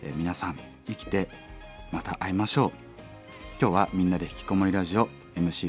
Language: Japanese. ぜひ来月生きてまた会いましょう。